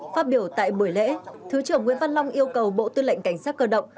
phát biểu tại buổi lễ thứ trưởng nguyễn văn long yêu cầu bộ tư lệnh cảnh sát cơ động